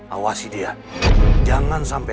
awasi dia jangan sampai